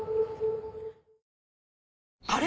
あれ？